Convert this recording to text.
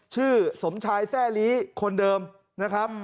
ชื่อสมชายแซ่ลีคนเดิมนะครับ